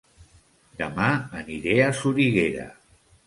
Dema aniré a Soriguera